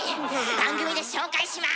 番組で紹介します！